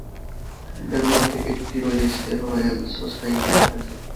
এর মধ্যে একটি পড়েছে রয়্যাল সোসাইটির কাছে।